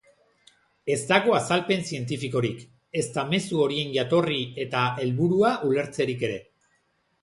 Ez dago azalpen zientifikorik, ezta mezu horien jatorri eta helburua ulertzerik ere.